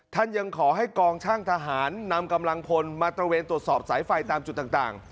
ยังขอให้กองช่างทหารนำกำลังพลมาตระเวนตรวจสอบสายไฟตามจุดต่าง